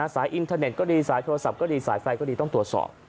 อินเทอร์เน็ตก็ดีสายโทรศัพท์ก็ดีสายไฟก็ดีต้องตรวจสอบ